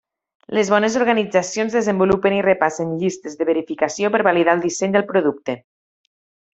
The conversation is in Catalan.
Les bones organitzacions desenvolupen i repassen llistes de verificació per validar el disseny del producte.